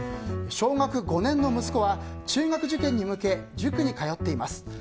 小学５年の息子は中学受験に向け塾に通っています。